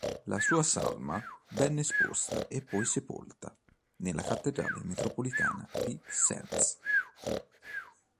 La sua salma venne esposta e poi sepolta nella cattedrale metropolitana di Sens.